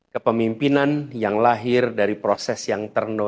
kepemimpinan yang lahir dari proses yang terno